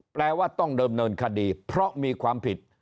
แปลว่าต้องเดิมเนินคดีเพราะมีความผิด